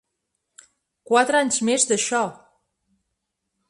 Quatre anys més d’això!